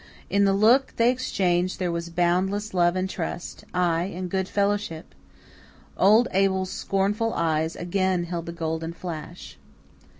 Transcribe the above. In the look they exchanged there was boundless love and trust ay, and good fellowship. Old Abel's scornful eyes again held the golden flash.